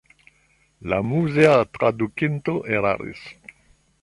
La muzea tradukinto eraris.